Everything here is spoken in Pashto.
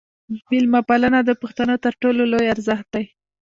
میلمه پالنه د پښتنو تر ټولو لوی ارزښت دی.